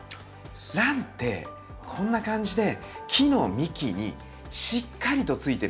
ランってこんな感じで木の幹にしっかりとついてるんです。